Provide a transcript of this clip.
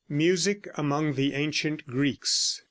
MUSIC AMONG THE ANCIENT GREEKS.